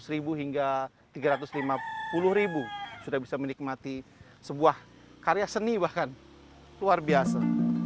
seratus ribu hingga tiga ratus lima puluh ribu sudah bisa menikmati sebuah karya seni bahkan luar biasa